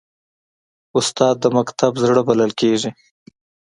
استاد د مکتب زړه بلل کېږي.